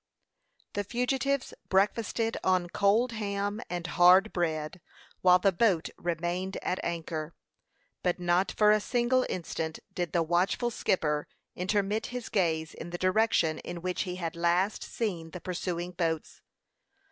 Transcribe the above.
The fugitives breakfasted on cold ham and hard bread while the boat remained at anchor; but not for a single instant did the watchful skipper intermit his gaze in the direction in which he had last seen the pursuing boats.